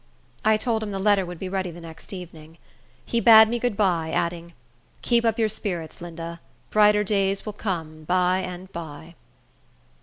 I told him the letter would be ready the next evening. He bade me good by, adding, "Keep up your spirits, Linda; brighter days will come by and by."